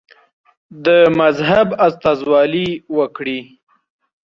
د مذهب استازولي وکړي.